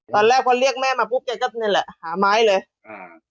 ตอนแรกพอเรียกแม่มาปุ๊บแกก็นั่นแหละหาไม้เลยอ่า